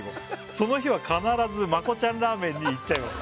「その日は必ずまこちゃんラーメンに行っちゃいます」